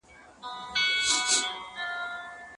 ټاکنيز کمپاينونه څنګه د خلګو پرېکړې بدلوي؟